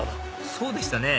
そうでしたね